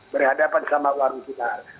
berhadapan sama warung kita